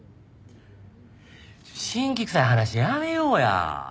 辛気くさい話やめようや。